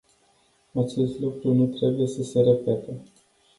Acest lucru nu trebuie să se repete.